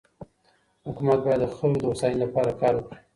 حکومت بايد د خلګو د هوساینې لپاره کار وکړي.